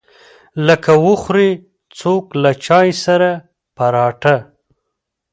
لکه وخوري څوک له چاى سره پراټه.